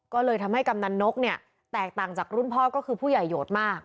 ก็เลยทำให้กำนันนกเนี่ยแตกต่างจากรุ่นพ่อก็คือผู้ใหญ่โหดมาก